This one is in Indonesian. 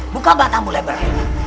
buka batangmu leber